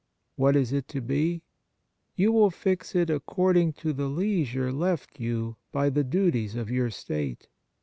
What is it to be ? You will fix it according to the leisure left you by the duties of your state.